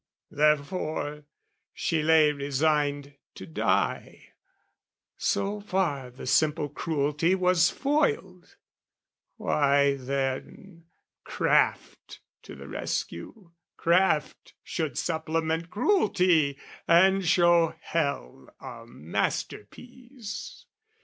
Therefore she lay resigned to die, so far The simple cruelty was foiled. Why then, Craft to the rescue, craft should supplement Cruelty and show hell a masterpiece!